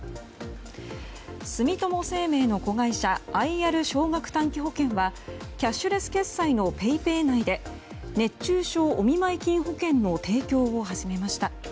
住友生命の子会社アイアル少額短期保険はキャッシュレス決済のＰａｙＰａｙ内で熱中症お見舞い金保険の提供を始めました。